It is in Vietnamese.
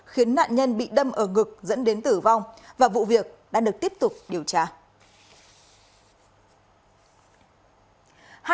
khiến nạn nhân bị đâm ở ngực dẫn đến tử vong và vụ việc đã được tiếp tục điều tra